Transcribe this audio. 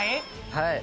はい。